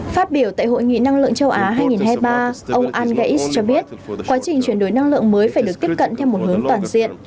phát biểu tại hội nghị năng lượng châu á hai nghìn hai mươi ba ông angaris cho biết quá trình chuyển đổi năng lượng mới phải được tiếp cận theo một hướng toàn diện